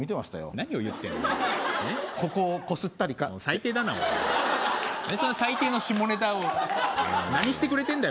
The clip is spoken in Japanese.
何を言ってんのえっここをコスッタリカもう最低だなコイツは最低の下ネタを何してくれてんだよ